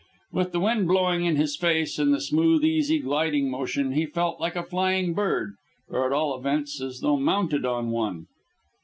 With the wind blowing in his face and the smooth, easy gliding motion, he felt like a flying bird, or at all events as though mounted on one.